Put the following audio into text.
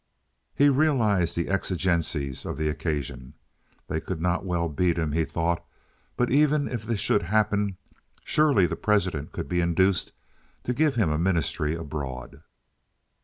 He realized the exigencies of the occasion. They could not well beat him, he thought; but even if this should happen, surely the President could be induced to give him a ministry abroad.